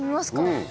うん。